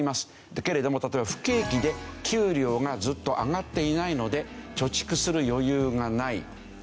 だけれども例えば不景気で給料がずっと上がっていないので貯蓄する余裕がないという人や高齢化が進んだので